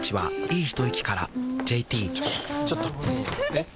えっ⁉